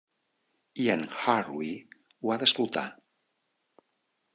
I en Harry ho ha d'escoltar.